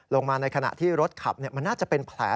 ลงมาในขณะที่รถขับมันน่าจะเป็นแผล